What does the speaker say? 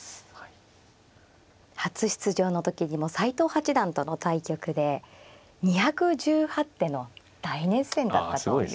初出場の時にも斎藤八段との対局で２１８手の大熱戦だったということですね。